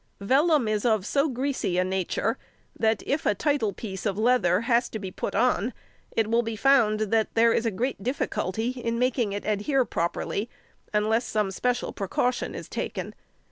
Vellum is of so greasy a nature that, if a title piece of leather has to be put on, it will be found that there is a great difficulty in making it adhere properly unless some special precaution be taken.